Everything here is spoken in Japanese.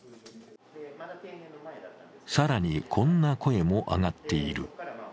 更に、こんな声も上がっている。